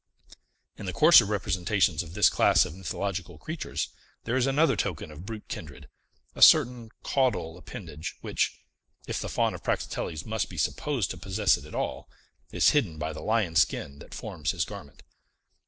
In the coarser representations of this class of mythological creatures, there is another token of brute kindred, a certain caudal appendage; which, if the Faun of Praxiteles must be supposed to possess it at all, is hidden by the lion's skin that forms his garment.